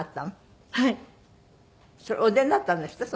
それお出になったんですって？